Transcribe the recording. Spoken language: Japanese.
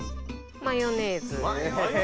マヨネーズ！